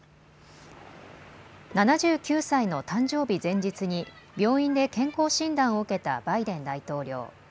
７９歳の誕生日前日に病院で健康診断を受けたバイデン大統領。